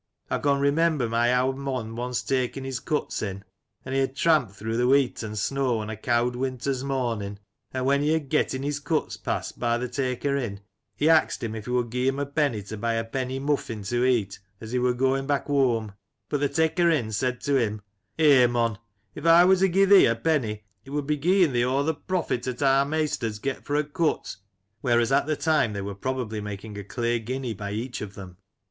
I con remember my owd mon once takin his cuts in, and he had tramped through th' weet and snow on a cowd winter's momin', and when he had gettin his cuts passed by th' taker in, he axed him if he would gie him a penny to buy a Some Lancashire Characters and Incidents. 149 penny moufin to eat as he wur goin back whoam. But th' taker in said to him :* Eh mon ! if I wur to gie thee a penny it would be gieing thee o th* profit 'at our maisters get fro* a cut ! (whereas at the time they were probably making a clear guinea by each of them.)